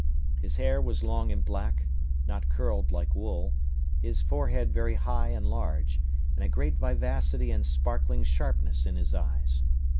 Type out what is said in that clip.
His hair was long and black, not curled like wool; his forehead very high and large; and a great vivacity and sparkling sharpness in his eyes.